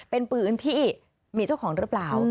เป็นปืนที่มีเจ้าของหรือเปล่า